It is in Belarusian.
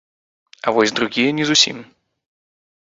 А вось другія не зусім.